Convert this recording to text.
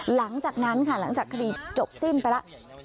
หลังจากนั้นค่ะหลังจากคดีจบสิ้นไปแล้ว